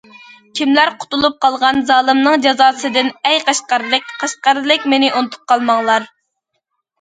كىملەر قۇتۇلۇپ قالغان، زالىمنىڭ جازاسىدىن ئەي قەشقەرلىك، قەشقەرلىك، مېنى ئۇنتۇپ قالماڭلار.